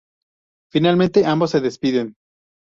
Finalmente ambos se despiden.